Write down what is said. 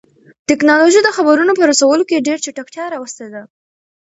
تکنالوژي د خبرونو په رسولو کې ډېر چټکتیا راوستې ده.